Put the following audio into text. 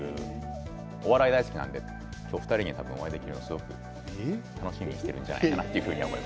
お笑いが大好きなのでお二人にお会いできるのすごく楽しみにしているんじゃないかな